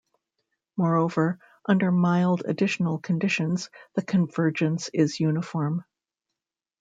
Moreover, under mild additional conditions the convergence is uniform.